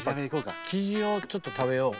キジをちょっと食べよう。